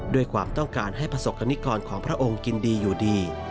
ด้วยความต้องการให้ประสบกรณิกรของพระองค์กินดีอยู่ดี